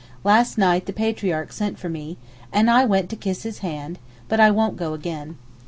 Last night the Patriarch sent for me, and I went to kiss his hand, but I won't go again.